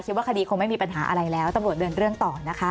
ว่าคดีคงไม่มีปัญหาอะไรแล้วตำรวจเดินเรื่องต่อนะคะ